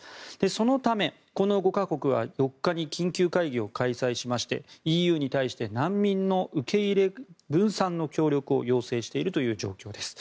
そのため、この５か国は４日に緊急会議を開催しましてＥＵに対して難民の受け入れ分散の協力を要請しているという状況です。